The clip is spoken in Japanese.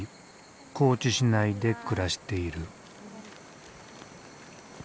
高知市内で暮らしている。